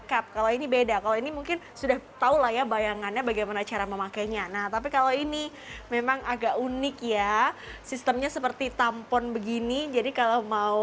kemudian dimasukkan ke dalam rongga vagina